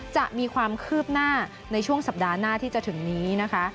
จะมีความคืบหน้าในช่วงสัปดาห์หน้าที่จะถึงนี้นะคะ